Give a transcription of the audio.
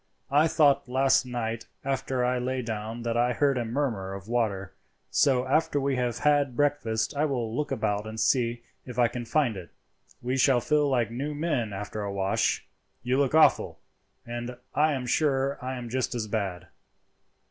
I thought last night after I lay down that I heard a murmur of water, so after we have had breakfast I will look about and see if I can find it. We should feel like new men after a wash. You look awful, and I am sure I am just as bad."